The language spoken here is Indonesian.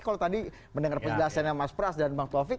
kalau tadi mendengar penjelasannya mas pras dan bang taufik